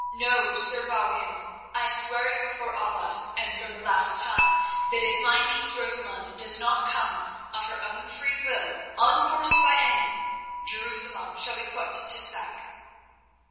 "Know, Sir Balian, I swear it before Allah and for the last time, that if my niece Rosamund does not come, of her own free will, unforced by any, Jerusalem shall be put to sack."